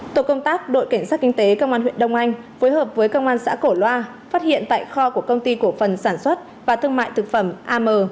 tổ công tác đội cảnh sát kinh tế công an huyện đông anh phối hợp với công an xã cổ loa phát hiện tại kho của công ty cổ phần sản xuất và thương mại thực phẩm am